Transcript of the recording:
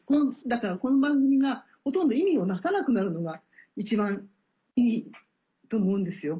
だからこの番組がほとんど意味をなさなくなるのが一番いいと思うんですよ。